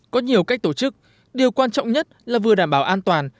có nhiều cách tổ chức điều quan trọng nhất là vừa đảm bảo an toàn